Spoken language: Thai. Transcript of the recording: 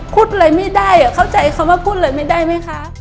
พูดอะไรไม่ได้เข้าใจคำว่าพูดอะไรไม่ได้ไหมคะ